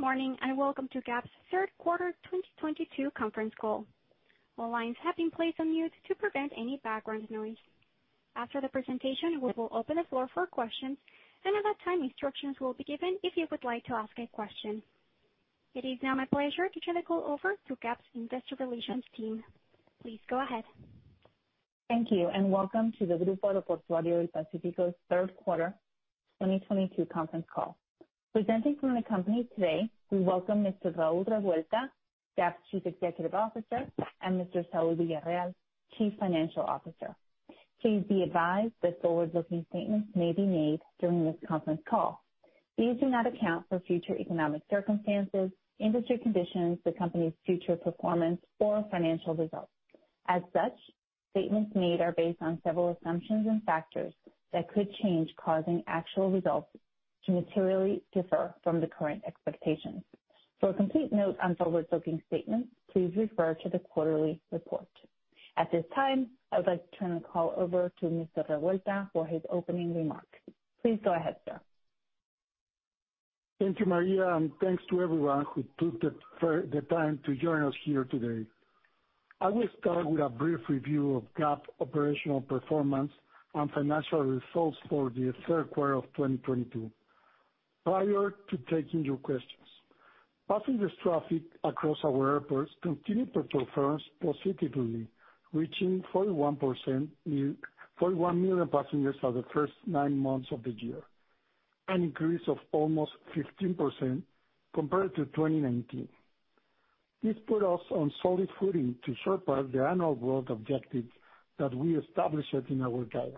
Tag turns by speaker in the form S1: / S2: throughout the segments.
S1: Good morning and welcome to GAP's third quarter 2022 conference call. All lines have been placed on mute to prevent any background noise. After the presentation, we will open the floor for questions, and at that time, instructions will be given if you would like to ask a question. It is now my pleasure to turn the call over to GAP's investor relations team. Please go ahead.
S2: Thank you and welcome to the Grupo Aeroportuario del Pacífico's third quarter 2022 conference call. Presenting from the company today, we welcome Mr. Raúl Revuelta, GAP's Chief Executive Officer, and Mr. Saúl Villarreal, Chief Financial Officer. Please be advised that forward-looking statements may be made during this conference call. These do not account for future economic circumstances, industry conditions, the Company's future performance, or financial results. As such, statements made are based on several assumptions and factors that could change, causing actual results to materially differ from the current expectations. For a complete note on forward-looking statements, please refer to the quarterly report. At this time, I would like to turn the call over to Mr. Revuelta for his opening remarks. Please go ahead, sir.
S3: Thank you, Maria, and thanks to everyone who took the time to join us here today. I will start with a brief review of GAP operational performance and financial results for the third quarter of 2022 prior to taking your questions. Passenger traffic across our airports continued to perform positively, reaching 41 million passengers for the first nine months of the year, an increase of almost 15% compared to 2019. This put us on solid footing to surpass the annual growth objective that we established in our guidance.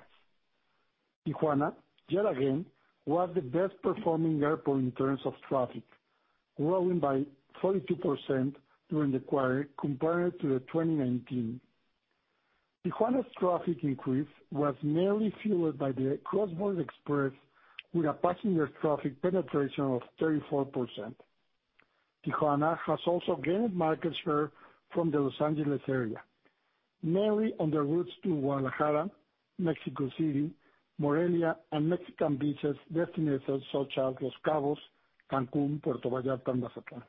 S3: Tijuana, yet again, was the best performing airport in terms of traffic, growing by 42% during the quarter compared to 2019. Tijuana's traffic increase was mainly fueled by the Cross Border Xpress, with a passenger traffic penetration of 34%. Tijuana has also gained market share from the Los Angeles area, mainly on the routes to Guadalajara, Mexico City, Morelia, and Mexican beaches destinations such as Los Cabos, Cancún, Puerto Vallarta, and Mazatlán.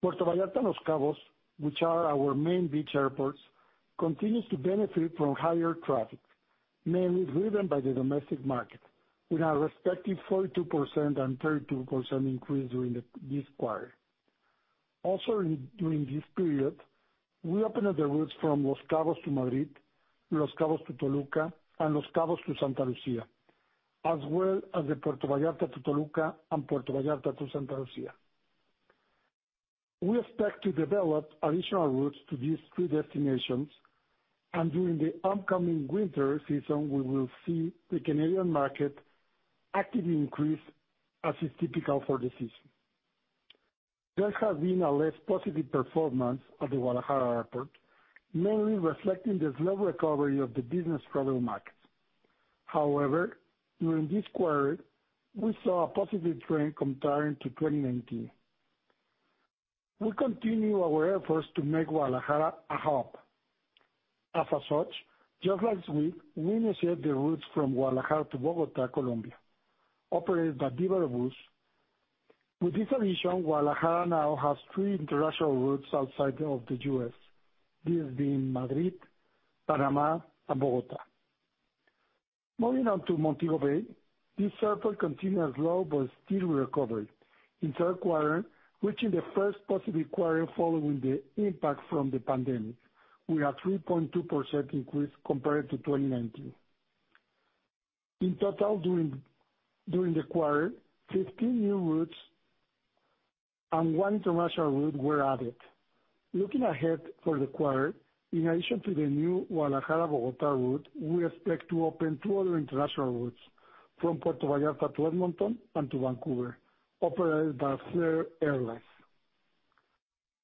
S3: Puerto Vallarta, Los Cabos, which are our main beach airports, continues to benefit from higher traffic, mainly driven by the domestic market, with a respective 42% and 32% increase this quarter. Also, during this period, we opened the routes from Los Cabos to Madrid, Los Cabos to Toluca, and Los Cabos to Santa Lucía, as well as the Puerto Vallarta to Toluca and Puerto Vallarta to Santa Lucía. We expect to develop additional routes to these three destinations, and during the upcoming winter season, we will see the Canadian market actively increase as is typical for the season. There has been a less positive performance at the Guadalajara Airport, mainly reflecting the slow recovery of the business travel market. However, during this quarter, we saw a positive trend comparing to 2019. We continue our efforts to make Guadalajara a hub. As such, just last week, we initiated the routes from Guadalajara to Bogotá, Colombia, operated by Viva Aerobus. With this addition, Guadalajara now has three international routes outside of the U.S., these being Madrid, Panama, and Bogotá. Moving on to Montego Bay, this airport continues slow but steady recovery. In third quarter, reaching the first positive quarter following the impact from the pandemic, we had 3.2% increase compared to 2019. In total, during the quarter, 15 new routes and one international route were added. Looking ahead for the quarter, in addition to the new Guadalajara-Bogotá route, we expect to open two other international routes from Puerto Vallarta to Edmonton and to Vancouver, operated by Flair Airlines.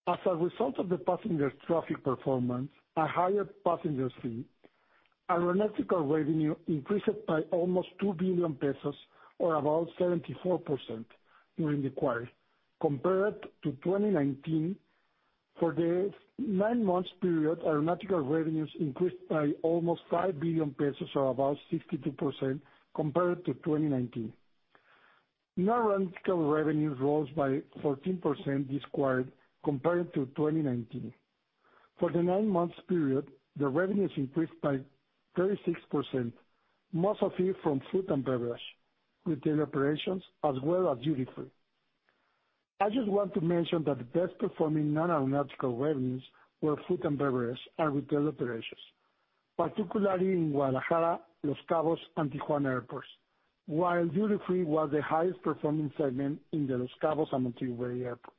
S3: As a result of the passenger traffic performance, a higher passenger fee, aeronautical revenue increased by almost 2 billion pesos or about 74% during the quarter compared to 2019. For the nine-month period, aeronautical revenues increased by almost 5 billion pesos, or about 62% compared to 2019. Non-aeronautical revenues rose by 14% this quarter compared to 2019. For the nine-month period, the revenues increased by 36%, most of it from food and beverage, retail operations, as well as duty-free. I just want to mention that the best performing non-aeronautical revenues were food and beverage and retail operations, particularly in Guadalajara, Los Cabos, and Tijuana airports, while duty-free was the highest performing segment in the Los Cabos and Montego Bay Airport.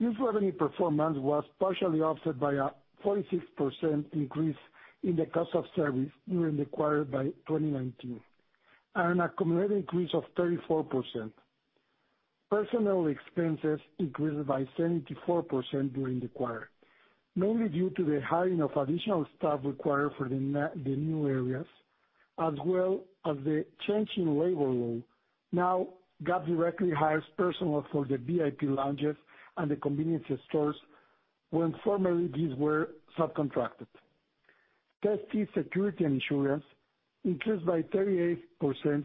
S3: This revenue performance was partially offset by a 46% increase in the cost of service during the quarter by 2019 and a cumulative increase of 34%. Personnel expenses increased by 74% during the quarter, mainly due to the hiring of additional staff required for the new areas as well as the change in labor law. GAP directly hires personnel for the VIP lounges and the convenience stores, when formerly these were subcontracted. Safety, security, and insurance increased by 38%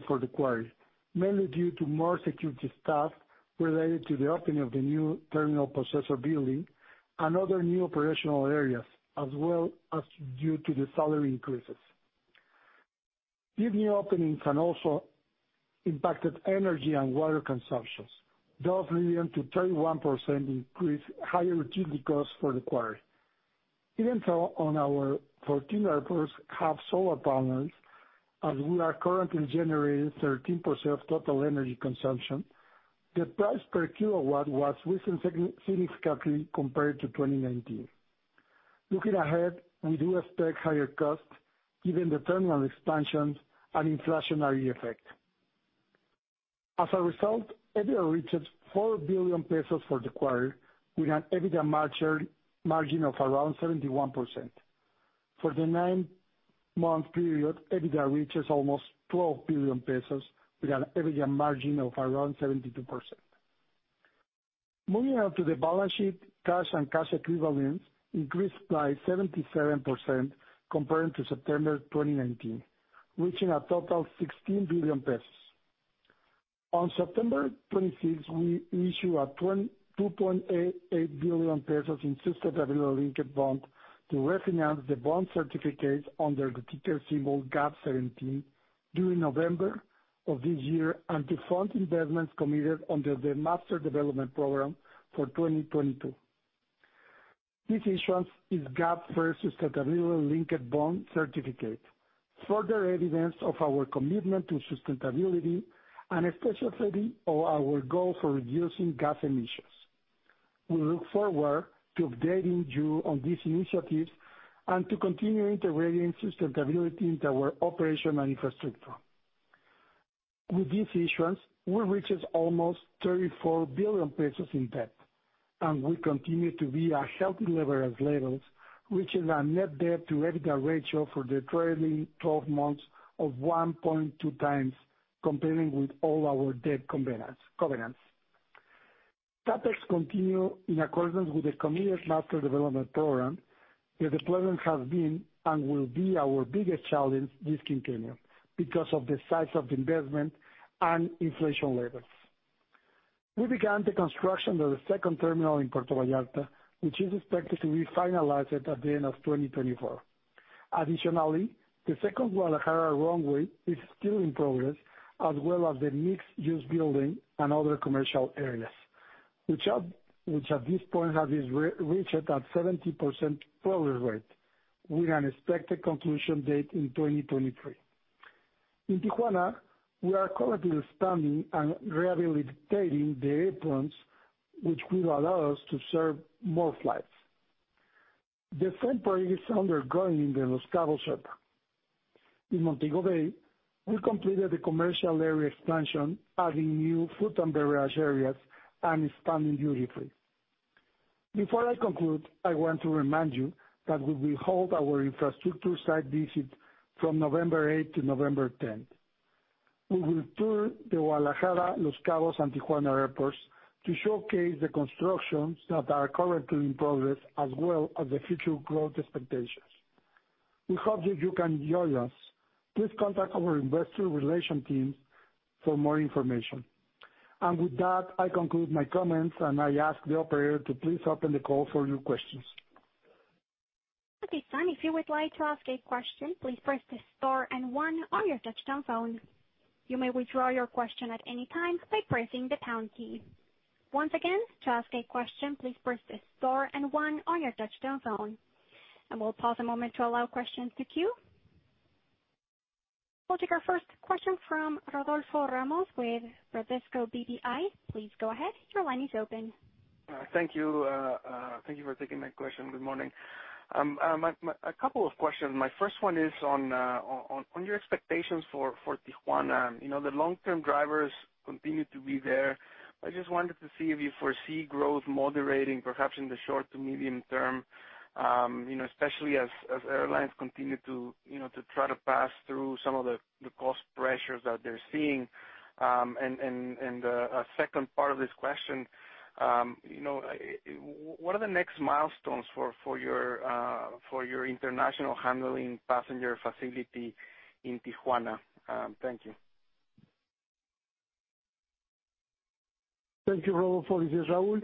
S3: for the quarter, mainly due to more security staff related to the opening of the new terminal processor building and other new operational areas, as well as due to the salary increases. This new opening has also impacted energy and water consumptions, thus leading to 31% increase higher utility costs for the quarter. Even so, on our 14 airports have solar panels, as we are currently generating 13% of total energy consumption, the price per kilowatt was recently increased significantly compared to 2019. Looking ahead, we do expect higher costs given the terminal expansions and inflationary effect. As a result, EBITDA reaches 4 billion pesos for the quarter with an EBITDA margin of around 71%. For the nine-month period, EBITDA reaches almost 12 billion pesos with an EBITDA margin of around 72%. Moving on to the balance sheet, cash and cash equivalents increased by 77% compared to September 2019, reaching a total of 16 billion pesos. On September 26, we issue 2.8 billion pesos in sustainability-linked bond to refinance the bond certificates under the ticker symbol GAP 17 during November of this year, and to fund investments committed under the Master Development Program for 2022. This issuance is GAP first sustainability-linked bond certificate. Further evidence of our commitment to sustainability and especially of our goal for reducing gas emissions. We look forward to updating you on these initiatives and to continuing integrating sustainability into our operation and infrastructure. With this issuance, we reached almost 34 billion pesos in debt, and we continue to be at healthy leverage levels, which is our net debt to EBITDA ratio for the trailing twelve months of 1.2x, complying with all our debt covenants. CAPEX continues in accordance with the committed Master Development Program. The deployment has been and will be our biggest challenge this quinquennium because of the size of the investment and inflation levels. We began the construction of the second terminal in Puerto Vallarta, which is expected to be finalized at the end of 2024. Additionally, the second Guadalajara runway is still in progress, as well as the mixed-use building and other commercial areas, which at this point has reached 70% progress rate with an expected conclusion date in 2023. In Tijuana, we are currently expanding and rehabilitating the aprons which will allow us to serve more flights. The same project is underway in the Los Cabos airport. In Montego Bay, we completed the commercial area expansion, adding new food and beverage areas, and expanding duty free. Before I conclude, I want to remind you that we will hold our infrastructure site visit from November 8th to November10th. We will tour the Guadalajara, Los Cabos, and Tijuana airports to showcase the constructions that are currently in progress as well as the future growth expectations. We hope that you can join us. Please contact our investor relations teams for more information. With that, I conclude my comments and I ask the operator to please open the call for new questions.
S1: At this time, if you would like to ask a question, please press star and one on your touchtone phone. You may withdraw your question at any time by pressing the pound key. Once again, to ask a question, please press star and one on your touchtone phone. We'll pause a moment to allow questions to queue. We'll take our first question from Rodolfo Ramos with Bradesco BBI. Please go ahead. Your line is open.
S4: Thank you for taking my question. Good morning. A couple of questions. My first one is on your expectations for Tijuana. You know, the long-term drivers continue to be there. I just wanted to see if you foresee growth moderating perhaps in the short to medium term, you know, especially as airlines continue to, you know, to try to pass through some of the cost pressures that they're seeing. A second part of this question, you know, what are the next milestones for your international handling passenger facility in Tijuana? Thank you.
S3: Thank you, Rodolfo. This is Raúl.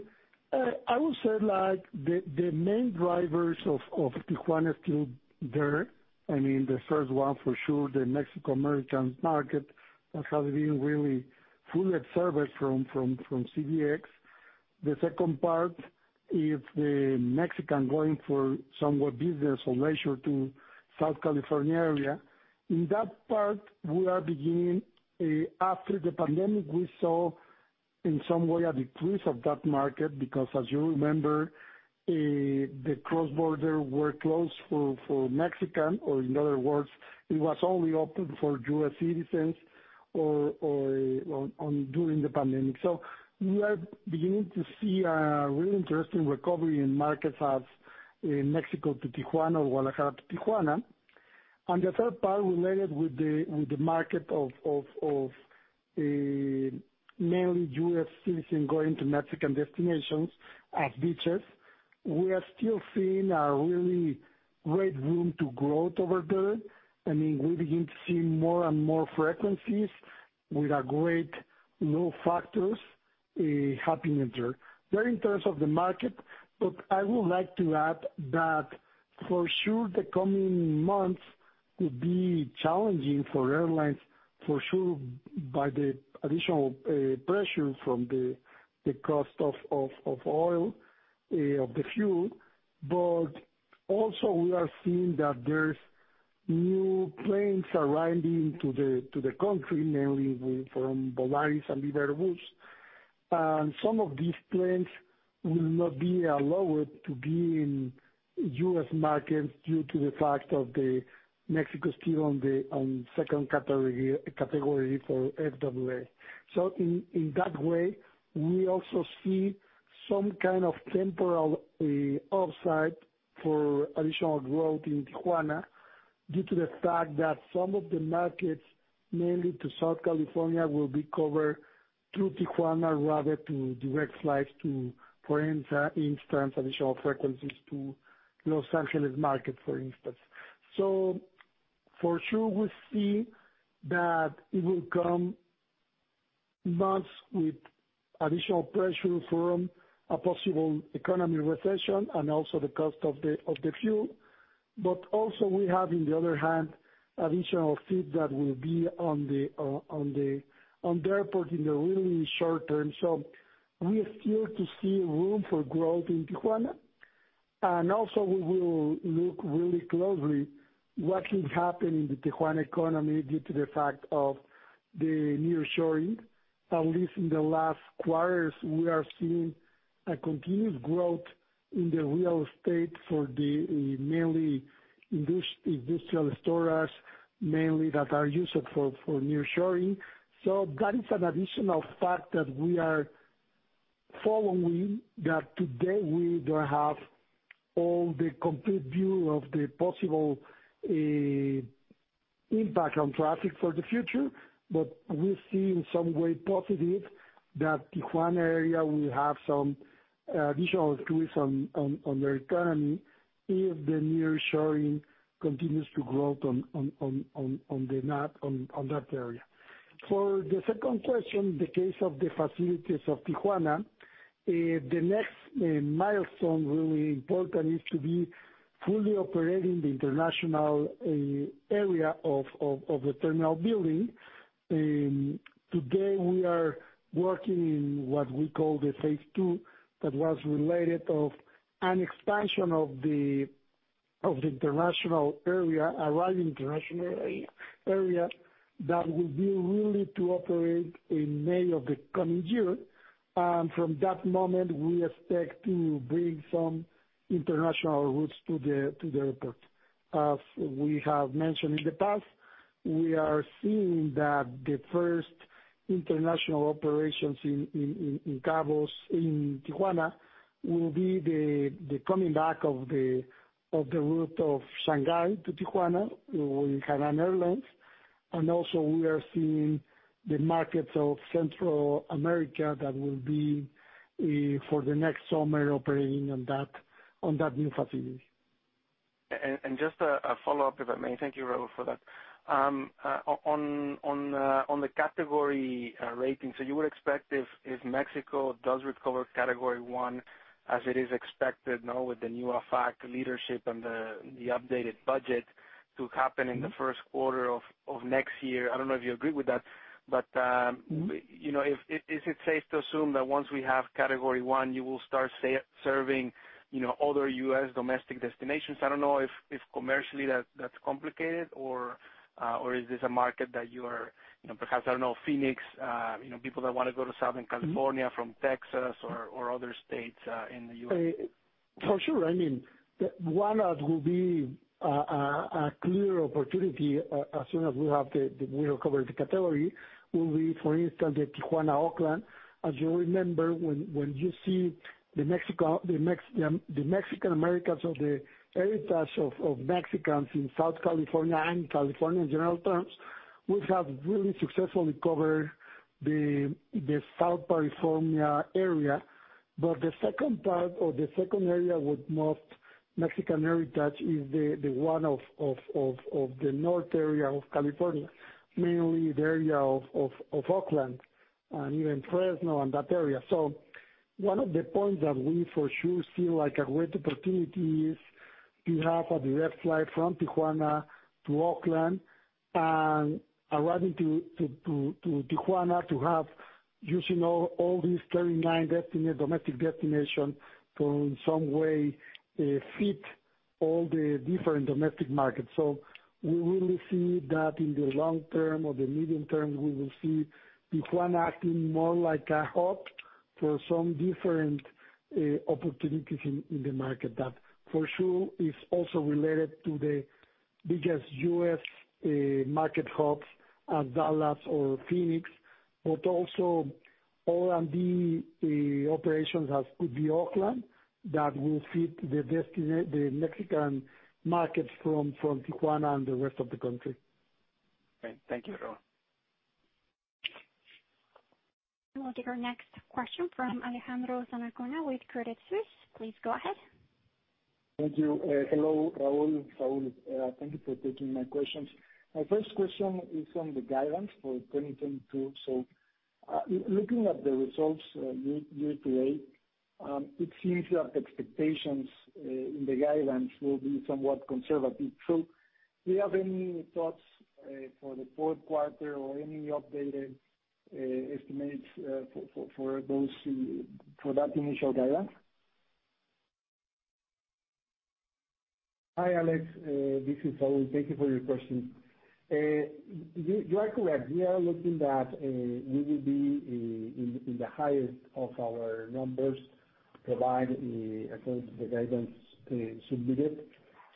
S3: I would say like the main drivers of Tijuana is still there. I mean, the first one for sure, the Mexican market that has been really fully served by CBX. The second part is the Mexicans going for some business or leisure to Southern California area. In that part, after the pandemic, we saw in some way a decrease of that market because as you remember, the cross-border were closed for Mexicans, or in other words, it was only open for U.S. citizens during the pandemic. We are beginning to see a really interesting recovery in markets such as in Mexico to Tijuana, Guadalajara to Tijuana. The third part related with the market of mainly US citizens going to Mexican destinations such as beaches. We are still seeing a really great room for growth over there. I mean, we begin to see more and more frequencies with great new factors happening there in terms of the market, but I would like to add that for sure the coming months could be challenging for airlines for sure due to the additional pressure from the cost of the fuel. But also we are seeing that there's new planes arriving to the country, mainly from Volaris and Viva Aerobus. Some of these planes will not be allowed to be in U.S. markets due to the fact that Mexico is still on the second category for FAA. In that way, we also see some kind of temporary upside for additional growth in Tijuana due to the fact that some of the markets, mainly to Southern California, will be covered through Tijuana rather than direct flights to, for instance, additional frequencies to Los Angeles market, for instance. For sure we see that the coming months will have additional pressure from a possible economic recession and also the cost of the fuel. Also we have, on the other hand, additional fleet that will be on the airport in the very short term. We still see room for growth in Tijuana. We will look really closely what will happen in the Tijuana economy due to the fact of the nearshoring. At least in the last quarters, we are seeing a continuous growth in the real estate for the, mainly industrial storage, mainly that are used for nearshoring. That is an additional fact that we are following that today we don't have all the complete view of the possible impact on traffic for the future. We see in some way positive that Tijuana area will have some additional tourism on the economy if the nearshoring continues to grow on that area. For the second question, the case of the facilities of Tijuana, the next milestone really important is to be fully operating the international area of the terminal building. Today we are working in what we call the phase two that was related to an expansion of the international arrivals area that will be ready to operate in May of the coming year. From that moment we expect to bring some international routes to the airport. As we have mentioned in the past, we are seeing that the first international operations in Cabo and Tijuana will be the coming back of the route from Shanghai to Tijuana with Hainan Airlines. We are seeing the markets of Central America that will be operating for the next summer on that new facility.
S4: Just a follow-up, if I may. Thank you, Raúl, for that. On the category rating, so you would expect if Mexico does recover Category 1 as it is expected now with the new AFAC leadership and the updated budget to happen in the first quarter of next year. I don't know if you agree with that, but
S3: Mm-hmm.
S4: You know, is it safe to assume that once we have category 1, you will start serving, you know, other U.S. domestic destinations? I don't know if commercially that's complicated or is this a market that you are, you know, perhaps, I don't know, Phoenix, you know, people that wanna go to Southern California from Texas or other states in the U.S.
S3: For sure. I mean, one that will be a clear opportunity as soon as we recover the category will be, for instance, the Tijuana-Oakland. As you remember, when you see the Mexican Americans or the heritage of Mexicans in Southern California and California in general terms, we have really successfully covered the Southern California area. But the second part or the second area with most Mexican heritage is the one of the north area of California, mainly the area of Oakland and even Fresno and that area. One of the points that we for sure see like a great opportunity is to have a direct flight from Tijuana to Oakland and arriving to Tijuana to have, using all these 39 domestic destinations to in some way fit all the different domestic markets. We really see that in the long term or the medium term, we will see Tijuana acting more like a hub for some different opportunities in the market. That for sure is also related to the biggest U.S. market hubs at Dallas or Phoenix, but also R&D operations as could be Oakland that will fit the Mexican markets from Tijuana and the rest of the country.
S4: Great. Thank you, Raúl.
S1: We'll take our next question from Alejandro Zamacona with Credit Suisse. Please go ahead.
S5: Thank you. Hello, Raúl, Saúl. Thank you for taking my questions. My first question is on the guidance for 2022. Looking at the results year-to-date, it seems your expectations in the guidance will be somewhat conservative. Do you have any thoughts for the fourth quarter or any updated estimates for that initial guidance?
S6: Hi, Alex, this is Saúl. Thank you for your question. You are correct. We are looking that we will be in the highest of our numbers, provided according to the guidance submitted.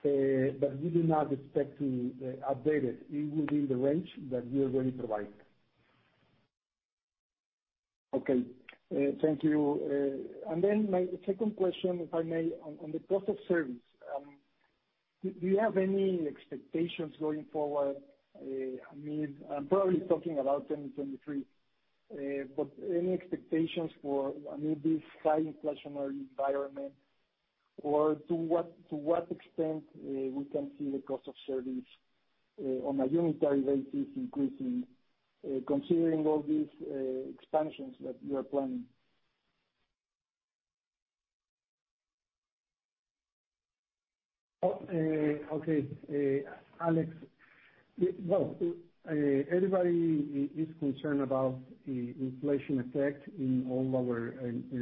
S6: We do not expect to update it. It will be in the range that we already provided.
S5: Okay. Thank you. My second question, if I may, on the cost of service. Do you have any expectations going forward? I mean, I'm probably talking about 2023. Any expectations for maybe high inflationary environment, or to what extent we can see the cost of service on a unitary basis increasing, considering all these expansions that you are planning?
S6: Alex, well, everybody is concerned about the inflation effect in all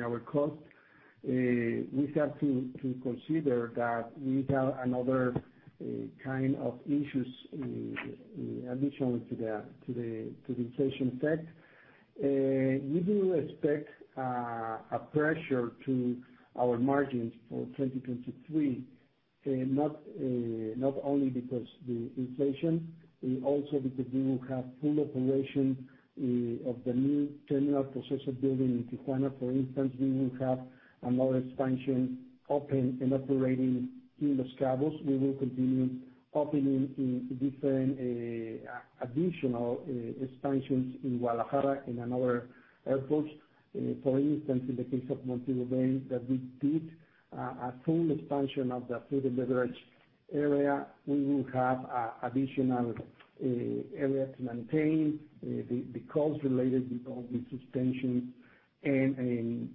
S6: our costs. We have to consider that we have another kind of issues additional to the inflation effect. We do expect a pressure to our margins for 2023, not only because the inflation, also because we will have full operation of the new passenger terminal building in Tijuana. For instance, we will have another expansion open and operating in Los Cabos. We will continue opening different additional expansions in Guadalajara and other airports. For instance, in the case of Montego Bay, that we did a full expansion of the food and beverage area. We will have an additional area to maintain. The costs related with all the suspension and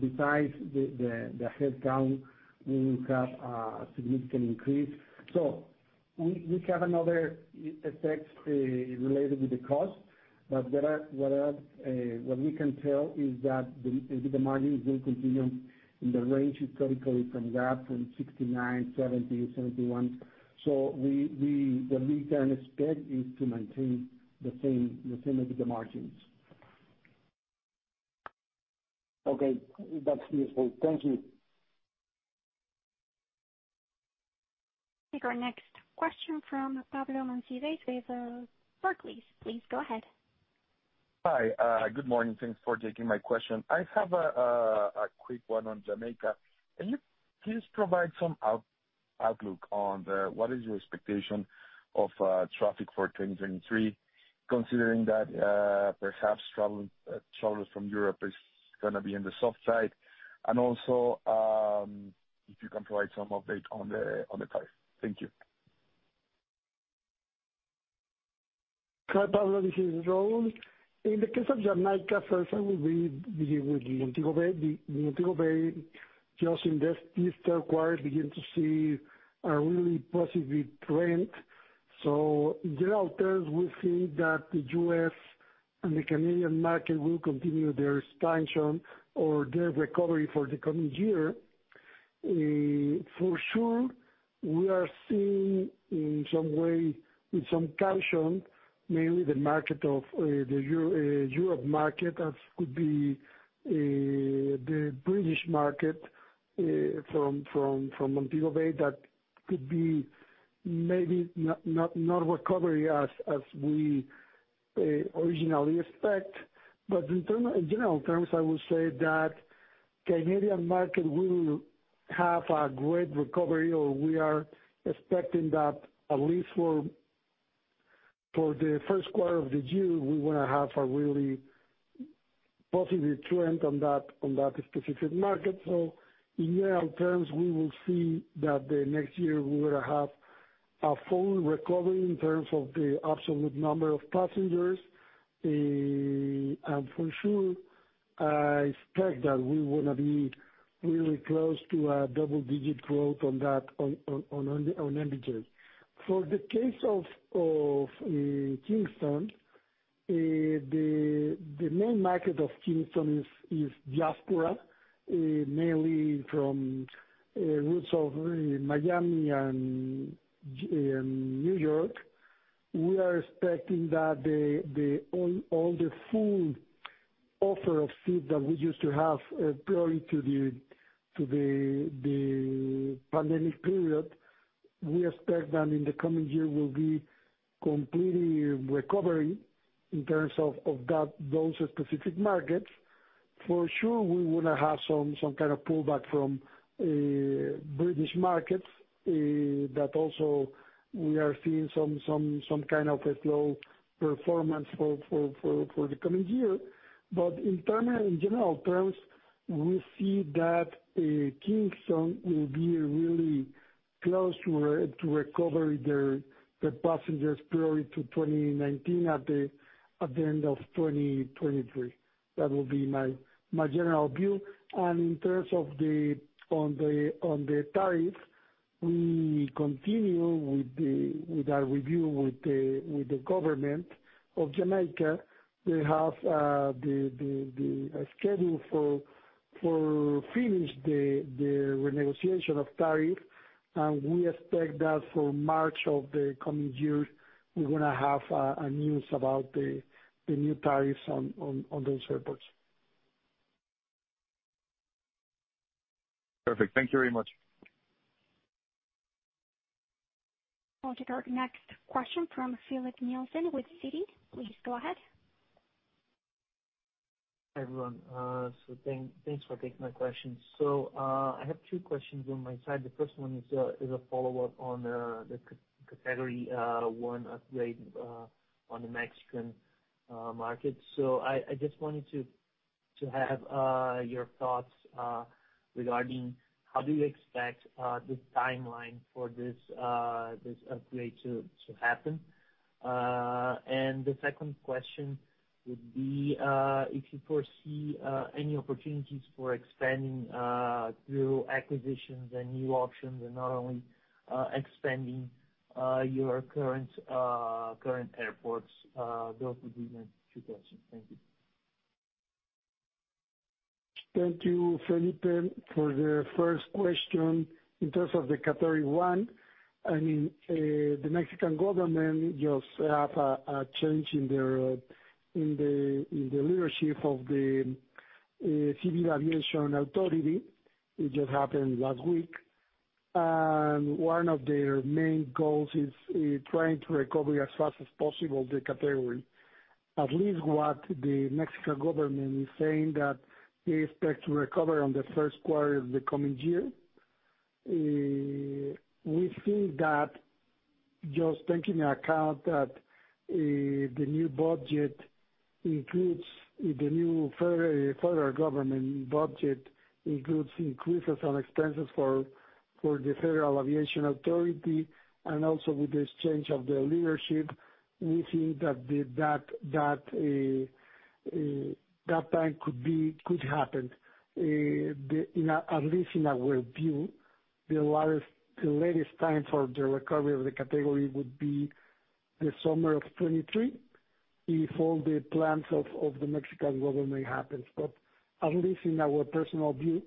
S6: besides the headcount, we will have a significant increase. We have another effect related with the cost, but what we can tell is that the margins will continue in the range historically from 69%-71%. The return we expect is to maintain the same EBITDA margins.
S5: Okay. That's useful. Thank you.
S1: Take our next question from Pablo Monsivais with Barclays. Please go ahead.
S7: Hi. Good morning. Thanks for taking my question. I have a quick one on Jamaica. Can you please provide some outlook. What is your expectation of traffic for 2023, considering that perhaps travelers from Europe is gonna be on the soft side? If you can provide some update on the price. Thank you.
S3: Hi, Pablo. This is Raúl. In the case of Jamaica, first I will begin with Montego Bay. The Montego Bay, just in this third quarter, begin to see a really positive trend. In general terms, we think that the U.S. and the Canadian market will continue their expansion or their recovery for the coming year. For sure, we are seeing in some way, with some caution, mainly the market of the European market, as could be the British market from Montego Bay, that could be maybe not recovery as we originally expect. In general terms, I will say that Canadian market will have a great recovery, or we are expecting that at least for the first quarter of the year, we wanna have a really positive trend on that specific market. In general terms, we will see that the next year we will have a full recovery in terms of the absolute number of passengers. For sure, I expect that we wanna be really close to a double-digit growth on EBITDA. For the case of Kingston, the main market of Kingston is Diaspora, mainly from routes of Miami and New York. We are expecting that all the full offer of seats that we used to have prior to the pandemic period. We expect that in the coming year will be completely recovering in terms of that, those specific markets. For sure we will have some kind of pullback from British markets, that also we are seeing some kind of a slow performance for the coming year. But in general terms, we see that Kingston will be really close to recovery the passengers prior to 2019 at the end of 2023. That would be my general view. In terms of the tariff, we continue with our review with the government of Jamaica. We have the schedule for finish the renegotiation of tariff and we expect that for March of the coming year, we're gonna have a news about the new tariffs on those airports.
S7: Perfect. Thank you very much.
S1: I'll take our next question from Filipe Nielsen with Citi. Please go ahead.
S8: Hi, everyone. Thanks for taking my question. I have two questions on my side. The first one is a follow-up on the Category 1 upgrade on the Mexican market. I just wanted to have your thoughts regarding how you expect the timeline for this upgrade to happen. The second question would be if you foresee any opportunities for expanding through acquisitions and new options and not only expanding your current airports. Those would be my two questions. Thank you.
S3: Thank you, Filipe. For the first question, in terms of the Category 1, I mean, the Mexican government just have a change in their leadership of the Federal Civil Aviation Authority. It just happened last week. One of their main goals is trying to recover as fast as possible the category. At least what the Mexican government is saying that they expect to recover on the first quarter of the coming year. We think that just taking into account that the new federal government budget includes increases on expenses for the Federal Civil Aviation Authority, and also with this change of the leadership, we think that that time could happen. At least in our view, the latest time for the recovery of the category would be the summer of 2023, if all the plans of the Mexican government happens. At least in our personal view,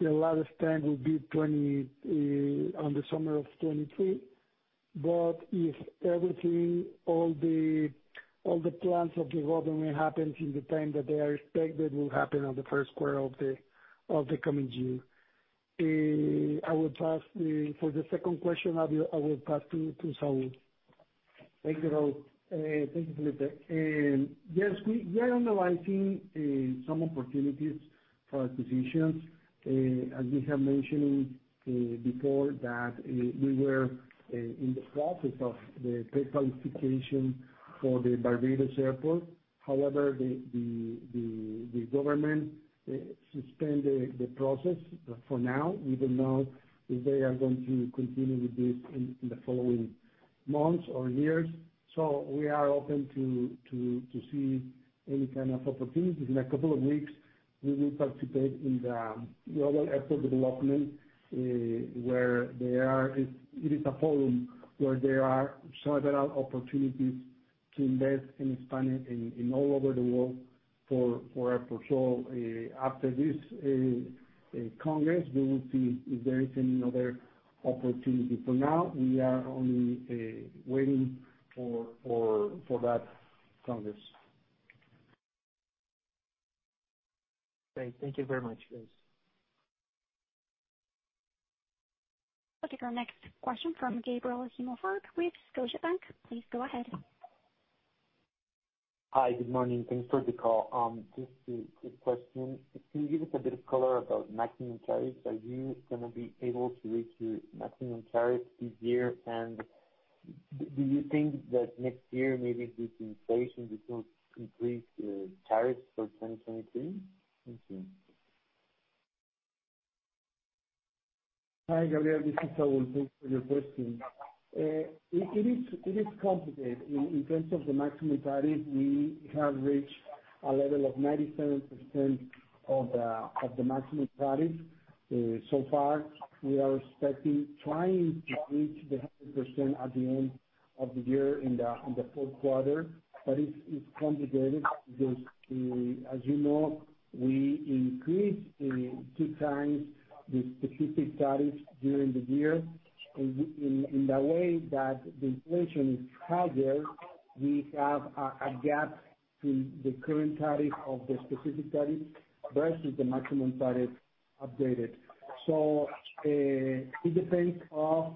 S3: the latest time will be 2023 on the summer of 2023. If everything, all the plans of the government happens in the time that they are expected, will happen on the first quarter of the coming year. I will pass for the second question to Saúl.
S6: Thank you, Raúl. Thank you, Filipe. Yes, we are analyzing some opportunities for acquisitions. As we have mentioned before that we were in the process of the prequalification for the Barbados Airport. However, the government suspended the process for now. We don't know if they are going to continue with this in the following months or years. We are open to see any kind of opportunities. In a couple of weeks, we will participate in the Global Airport Development, where it is a forum where there are several opportunities to invest and expand in all over the world for airport. After this congress, we will see if there is any other opportunity. For now, we are only waiting for that congress.
S8: Great. Thank you very much. Yes.
S1: I'll take our next question from Gabriel Himelfarb with Scotiabank. Please go ahead.
S9: Hi. Good morning. Thanks for the call. Just a quick question. Can you give us a bit of color about maximum tariffs? Are you gonna be able to reach your maximum tariffs this year? Do you think that next year, maybe with inflation, we could increase tariffs for 2023? Thank you.
S6: Hi, Gabriel. This is Saúl. Thanks for your question. It is complicated. In terms of the maximum tariff, we have reached a level of 97% of the maximum tariff. So far we are expecting trying to reach 100% at the end of the year in the fourth quarter. It's complicated because, as you know, we increased two times the specific tariff during the year. In the way that the inflation is higher, we have a gap in the current tariff of the specific tariff versus the maximum tariff updated. It depends on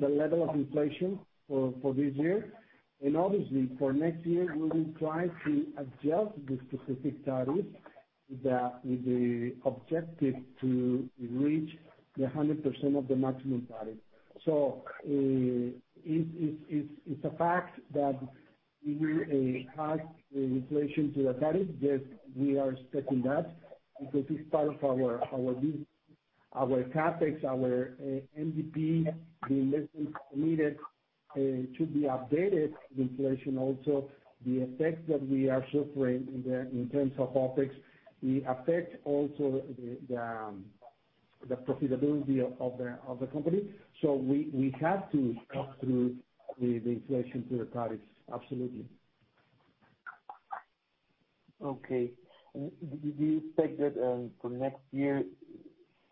S6: the level of inflation for this year, and obviously for next year, we will try to adjust the specific tariff with the objective to reach 100% of the maximum tariff. It's a fact that we will have the inflation to the tariff. Yes, we are expecting that because it's part of our CapEx, our MDP, the investments needed to be updated with inflation also. The effect that we are suffering in terms of OpEx, it affects also the profitability of the company. We have to pass through the inflation to the tariffs. Absolutely.
S9: Do you expect that, for next year,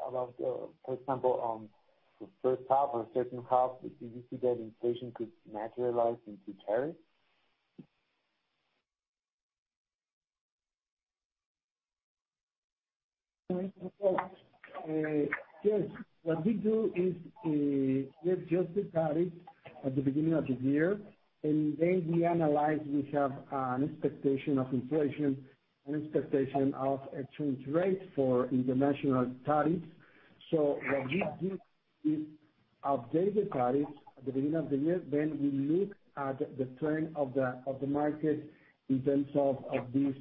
S9: about, for example, on the first half or second half, do you see that inflation could materialize into tariff?
S6: Yes. What we do is, we adjust the tariff at the beginning of the year, and then we analyze. We have an expectation of inflation, an expectation of exchange rate for international tariffs. What we do is update the tariffs at the beginning of the year, then we look at the trend of the market in terms of this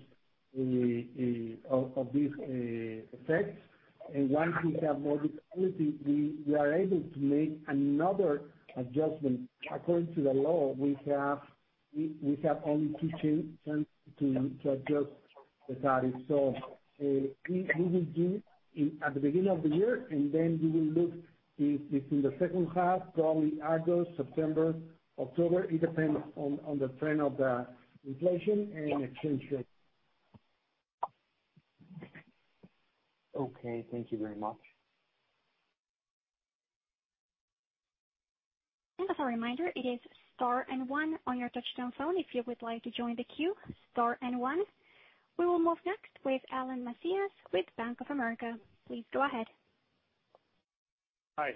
S6: effects. Once we have more visibility, we are able to make another adjustment. According to the law, we have only two chances to adjust the tariff. We will do it at the beginning of the year, and then we will look if in the second half, probably August, September, October. It depends on the trend of the inflation and exchange rate.
S9: Okay. Thank you very much.
S1: As a reminder, it is star and one on your touch-tone phone if you would like to join the queue. Star and one. We will move next with Alan Macias with Bank of America. Please go ahead.
S10: Hi.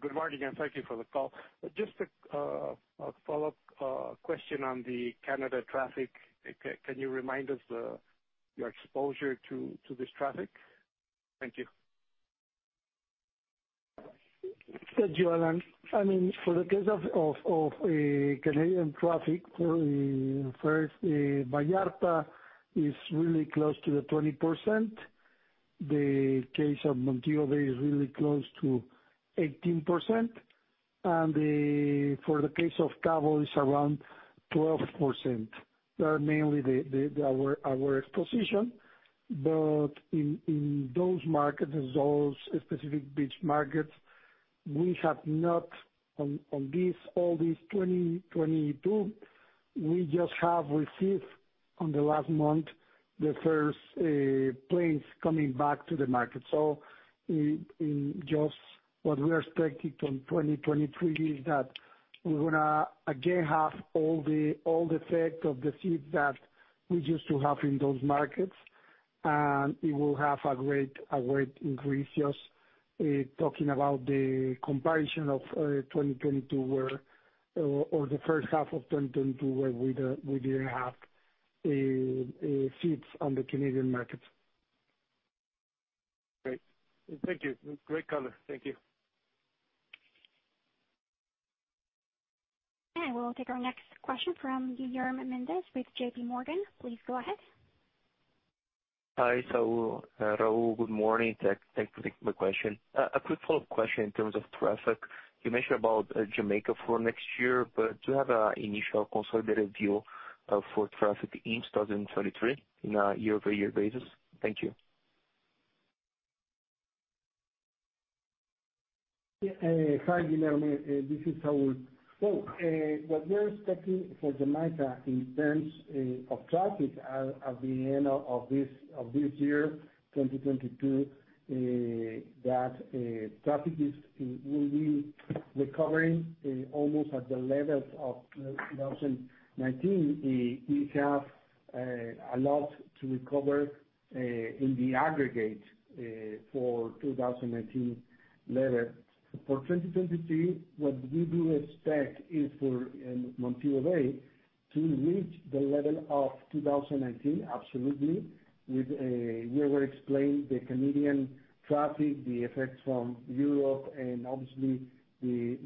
S10: Good morning, and thank you for the call. Just a follow-up question on the Canada traffic. Can you remind us your exposure to this traffic? Thank you.
S3: Thank you, Alan. I mean, for the case of Canadian traffic, Puerto Vallarta is really close to 20%. The case of Montego Bay is really close to 18%. For the case of Cabo, it's around 12%. They are mainly our exposure. In those markets, those specific beach markets, we have not, in 2022, we have just received in the last month the first planes coming back to the market. In 2023, what we are expecting is that we're gonna again have all the effect of the seats that we used to have in those markets. It will have a great increase just talking about the comparison of 2022, where we didn't have seats on the Canadian market.
S10: Great. Thank you. Great color. Thank you.
S1: We'll take our next question from Guilherme Mendes with JPMorgan. Please go ahead.
S11: Hi, Saúl. Raúl, good morning. Thank you for taking my question. A quick follow-up question in terms of traffic. You mentioned about Jamaica for next year, but do you have an initial consolidated view for traffic in 2023 on a year-over-year basis? Thank you.
S6: Hi, Guilherme. This is Saúl. What we are expecting for Jamaica in terms of traffic at the end of this year, 2022, that traffic will be recovering almost at the levels of 2019. We have a lot to recover in the aggregate for 2019 level. For 2023, what we do expect is for Montego Bay to reach the level of 2019, absolutely. With as we explained the Canadian traffic, the effects from Europe, and obviously the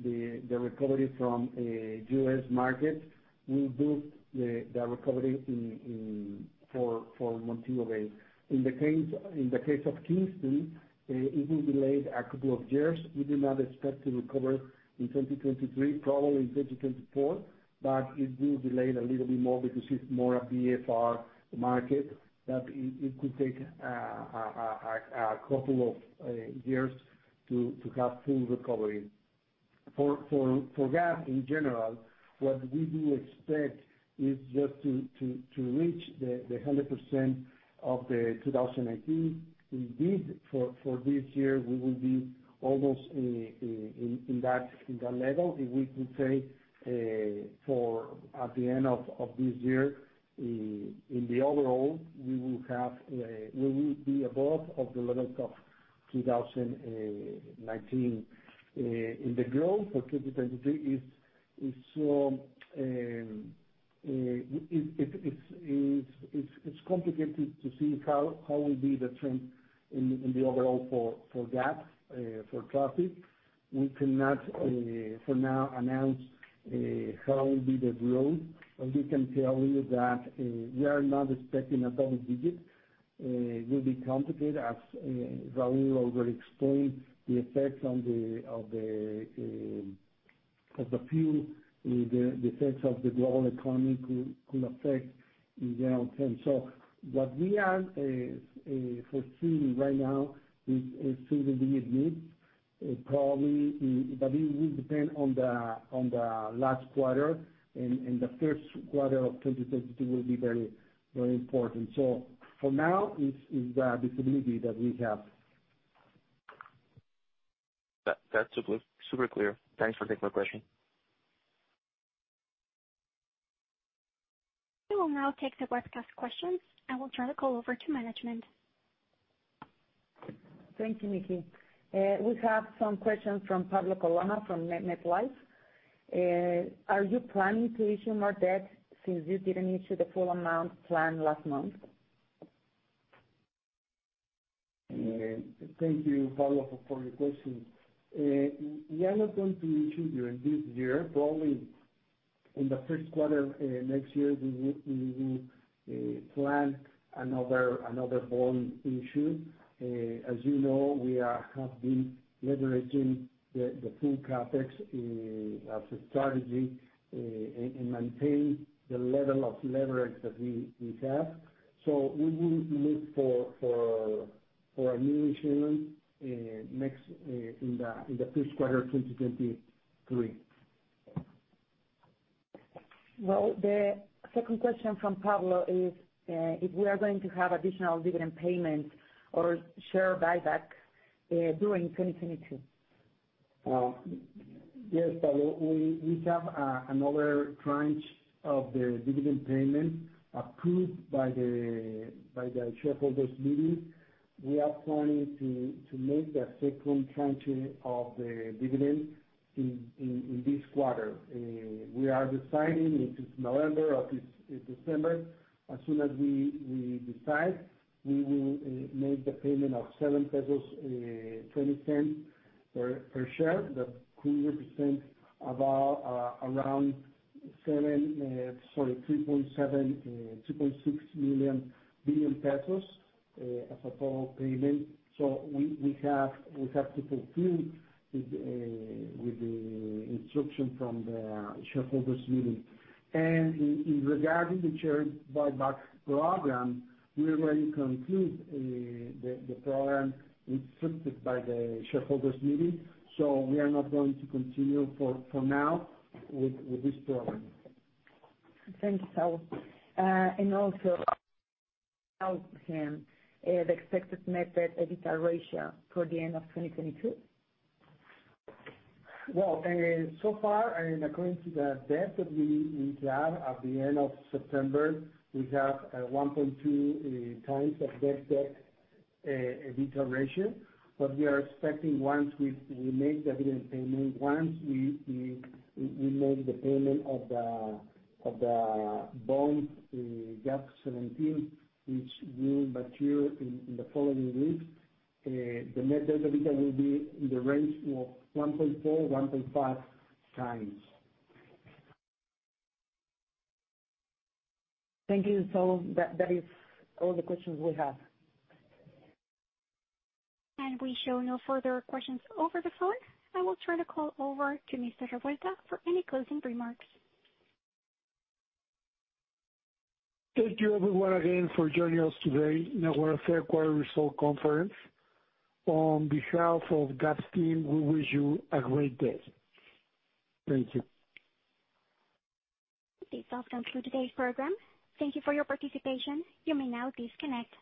S6: recovery from U.S. market will boost the recovery in for Montego Bay. In the case of Kingston, it will be late a couple of years. We do not expect to recover in 2023, probably in 2024, but it will delay it a little bit more because it's more a VFR market. That is, it could take a couple of years to have full recovery. For GAP in general, what we do expect is just to reach the 100% of the 2019. Indeed, for this year, we will be almost in that level. We could say, for at the end of this year, in the overall, we will have, we will be above of the levels of 2019, in the growth for 2023 is so, it's complicated to see how will be the trend in the overall for GAP for traffic. We cannot for now announce how will be the growth. But we can tell you that, we are not expecting a double digit. It will be complicated as Raúl already explained the effects of the fuel. The effects of the global economy could affect in general trends. What we are foreseeing right now is single-digit growth. Probably, but it will depend on the last quarter. The first quarter of 2022 will be very important. For now, it's the visibility that we have.
S11: That, that's super clear. Thanks for taking my question.
S1: We will now take the webcast questions. I will turn the call over to management.
S12: Thank you, Nikki. We have some questions from Pablo Coloma, from MetLife. Are you planning to issue more debt since you didn't issue the full amount planned last month?
S6: Thank you, Pablo, for your question. We are not going to issue during this year. Probably in the first quarter next year, we will plan another bond issue. As you know, we have been leveraging the full CAPEX as a strategy and maintain the level of leverage that we have. We will look for a new issuance next in the first quarter 2023.
S2: Well, the second question from Pablo is, if we are going to have additional dividend payments or share buyback during 2022.
S6: Yes, Pablo, we have another tranche of the dividend payment approved by the shareholders' meeting. We are planning to make the second tranche of the dividend in this quarter. We are deciding if it's November or December. As soon as we decide, we will make the payment of 7.20 pesos per share. That could represent 3.7 billion pesos as a total payment. We have to fulfill with the instruction from the shareholders' meeting. Regarding the share buyback program, we already concluded the program instructed by the shareholders' meeting. We are not going to continue for now with this program.
S2: Thank you, Saúl. The expected net debt to EBITDA ratio for the end of 2022.
S6: Well, so far, according to the debt that we have at the end of September, we have 1.2x net debt to EBITDA ratio. We are expecting once we make the dividend payment, once we make the payment of the bond, GAP 17, which will mature in the following weeks, the net debt to EBITDA will be in the range of 1.4-1.5x.
S2: Thank you, Saúl. That is all the questions we have.
S1: We show no further questions over the phone. I will turn the call over to Mr. Revuelta for any closing remarks.
S3: Thank you everyone again for joining us today in our third quarter result conference. On behalf of GAP team, we wish you a great day. Thank you.
S1: This does conclude today's program. Thank you for your participation. You may now disconnect.